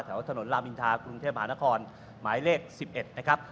แถวถนนรามินทรากรุงเทพฯหานครหมายเลข๑๑